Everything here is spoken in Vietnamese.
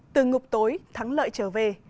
từ ngục tối thắng lợi trở về